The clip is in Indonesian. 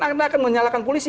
anda akan menyalakan polisi